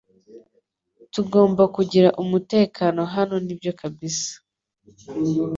Tugomba kugira umutekano hano nibyo kabisa